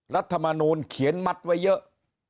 รัฐมนูลเขียนมัดไว้เยอะ